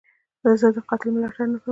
زه د قاتل ملاتړ نه کوم.